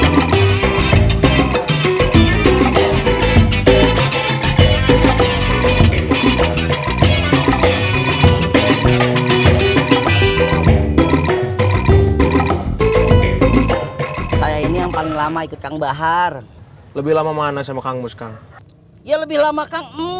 bismillah dulu biar selamat